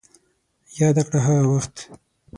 ياده کړه هغه وخت